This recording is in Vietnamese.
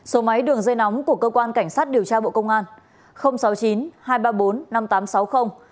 số máy đường dây nóng của cơ quan cảnh sát điều tra bộ công an sáu mươi chín hai trăm ba mươi bốn năm nghìn tám trăm sáu mươi